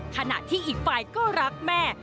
ขณะที่อีกฝ่ายก็รักแม่